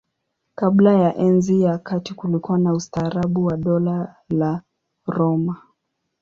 Kabla ya Enzi ya Kati kulikuwa na ustaarabu wa Dola la Roma.